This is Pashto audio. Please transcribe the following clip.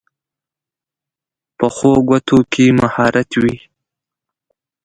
پخو ګوتو کې مهارت وي